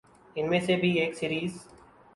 ان میں سے بھی ایک سیریز